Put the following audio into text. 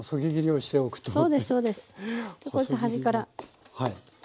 こうやって端から。